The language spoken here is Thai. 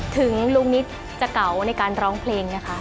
ถึงลุงนิดจะเก๋าในการร้องเพลงนะคะ